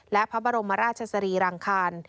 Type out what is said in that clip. และพระบรมราชสรีรังคาร